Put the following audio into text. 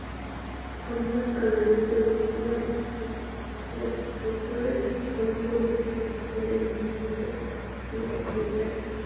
হামলার কারণে দুর্ঘটনাস্থলের কাছাকাছি অবস্থিত ইস্তাম্বুল বিশ্ববিদ্যালয়ের নির্ধারিত পরীক্ষা বাতিল করা হয়েছে।